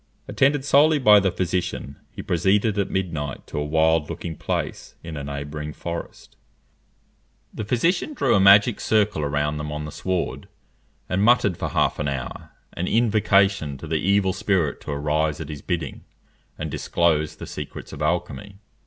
Attended solely by the physician, he proceeded at midnight to a wild looking place in a neighbouring forest; the physician drew a magic circle around them on the sward, and muttered for half an hour an invocation to the evil spirit to arise at his bidding, and disclose the secrets of alchymy.